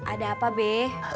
ada apa be